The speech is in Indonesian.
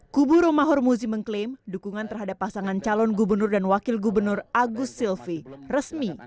kubu romahur muzi mengklaim dukungan terhadap pasangan calon gubernur dan wakil gubernur agus silvi resmi